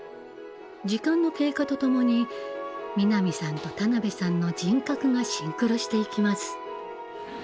時間の経過とともに南さんと田辺さんの人格がシンクロしていきます。